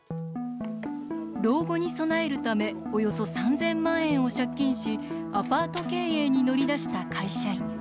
老後に備えるためおよそ３０００万円を借金しアパート経営に乗り出した会社員。